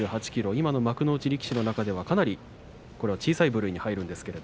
今の幕内力士の中ではかなり小さい部類に入ります。